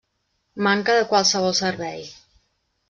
Manca de qualsevol servei.